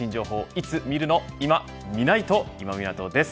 いつ見るのいまみないと、今湊です。